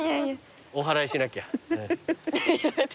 おはらいしなきゃ。